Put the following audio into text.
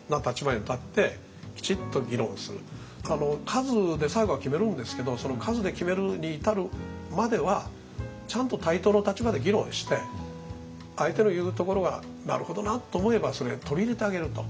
数で最後は決めるんですけどその数で決めるに至るまではちゃんと対等の立場で議論して相手の言うところがなるほどなと思えばそれ取り入れてあげると。